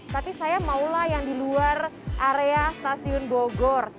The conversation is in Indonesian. tapi saya maulah yang di luar area stasiun bogor